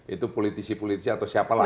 itu politisi politisi atau siapa lah ya